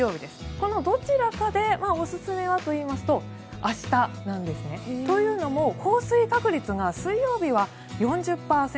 このどちらかでおすすめはといいますと明日なんですね。というのも降水確率が水曜日は４０％。